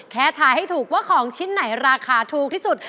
ถ่ายให้ถูกว่าของชิ้นไหนราคาถูกที่สุด